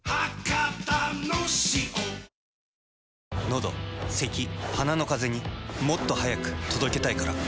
のどせき鼻のカゼにもっと速く届けたいから。